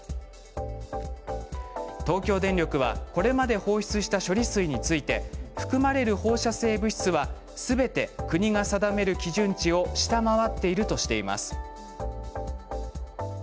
東京電力はこれまで放出した処理水について含まれる放射性物質はすべて国が定める基準値を下回っているとしています。